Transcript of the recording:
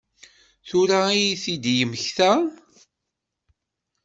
Tura i t-id-yemmekta?